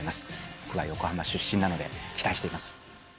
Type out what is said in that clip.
僕は横浜出身なので、期待しています。